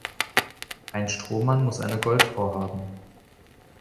Ein Strohmann muss eine Goldfrau haben.